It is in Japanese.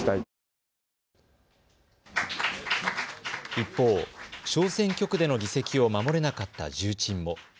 一方、小選挙区での議席を守れなかった重鎮も。